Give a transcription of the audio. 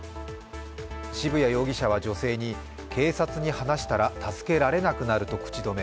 渋谷容疑者は女性に警察に話したら助けられなくなると口止め。